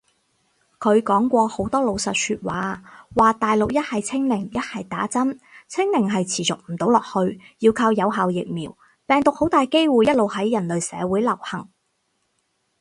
佢講過好多老實說話，話大陸一係清零一係打針，清零係持續唔到落去，要靠有效疫苗，病毒好大機會一路喺人類社會流行